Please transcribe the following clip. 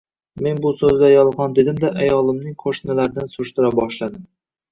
Men bu so`zlar yolg`on dedimda ayolimning qo`shnilaridan surishtira boshladim